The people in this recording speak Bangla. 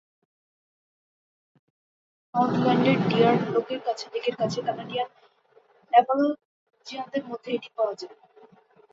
পশ্চিম নিউফাউন্ডল্যান্ডের ডিয়ার লেকের কাছে কানাডিয়ান অ্যাপালেচিয়ানদের মধ্যে এটি পাওয়া যায়।